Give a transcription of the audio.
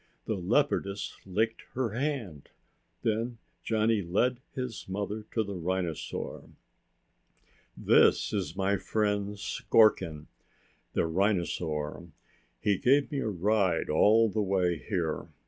The leopardess licked her hand. Then Johnny led his mother to the rhinosaur. "This is my friend Skorkin, the rhinosaur. He gave me a ride all the way here.